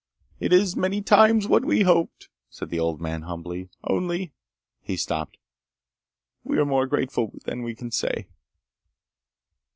"It is ... many times what we hoped," said the old man humbly. "Only—" He stopped. "We are more grateful than we can say."